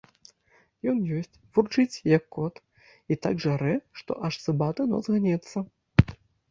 Ён есць, вурчыць, як кот, і так жарэ, што аж цыбаты нос гнецца.